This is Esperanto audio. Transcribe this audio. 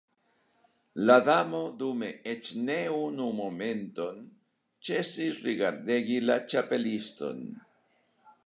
La Damo dume eĉ ne unu momenton ĉesis rigardegi la Ĉapeliston.